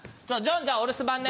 じゃあねジョン。